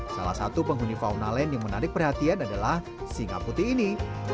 salah satu penghuni fauna lane yang menarik perhatian adalah singa putih ini